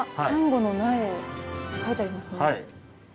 「サンゴの苗」って書いてありますね。